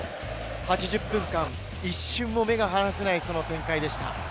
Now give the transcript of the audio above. ８０分間、一瞬も目が離せない展開でした。